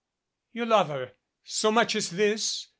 "You love her so much as this?"